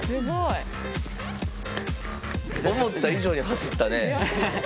すごい！思った以上に走ったね。